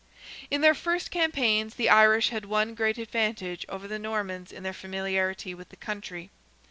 In their first campaigns the Irish had one great advantage over the Normans in their familiarity with the country.